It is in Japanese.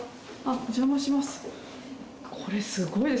お邪魔します。